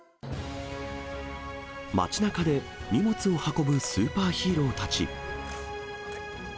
街なかで、荷物を運ぶスーパーヒーローたち。